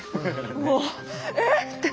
もう「え⁉」って。